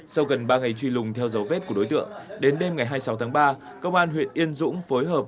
sau gần ba ngày truy lùng theo dấu vết của đối tượng đến đêm ngày hai mươi sáu tháng ba công an huyện yên dũng phối hợp